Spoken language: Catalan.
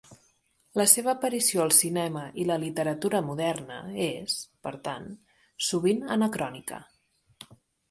La seva aparició al cinema i la literatura moderna és, per tant, sovint anacrònica.